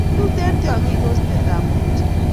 Tuten twangik oset ab mauche